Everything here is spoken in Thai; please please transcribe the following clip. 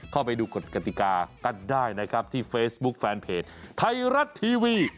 เข้าไปดูกฎกติกากันได้นะครับที่เฟซบุ๊คแฟนเพจไทยรัฐทีวี